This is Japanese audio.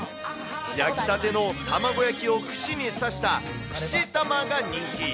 焼きたての卵焼きを串に刺した串玉が人気。